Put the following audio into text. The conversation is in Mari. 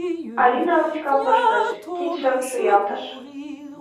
Алина ручкам пыштыш, кидшым шуялтыш.